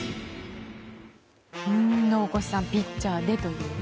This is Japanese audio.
大越さんピッチャーでという。